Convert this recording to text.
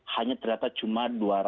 hanya ternyata cuma